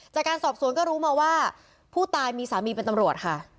จากการสอบสวนก็รู้มาว่าผู้ตายมีสามีเป็นตำรวจค่ะ